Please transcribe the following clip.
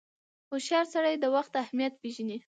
• هوښیار سړی د وخت اهمیت پیژني.